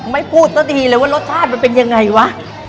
ไม่พูดซะทีเลยว่ารสชาติมันเป็นยังไงวะ